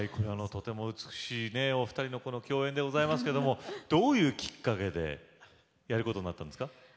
とても美しいねお二人の共演でございますけどどういうきっかけでやることになったんですか？